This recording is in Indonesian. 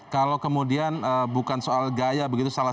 kalau kemudian bukan soal gaya begitu salah satu hal